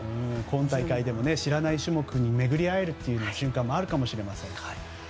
今大会でも知らない種目に巡り合えるという瞬間があるかもしれませんね。